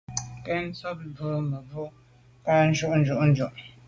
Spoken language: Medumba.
Nke nsôg mbu mi mebwô kà njôg njù juju.